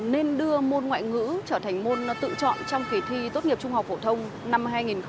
nên đưa môn ngoại ngữ trở thành môn tự chọn trong kỳ thi tốt nghiệp trung học phổ thông năm hai nghìn hai mươi năm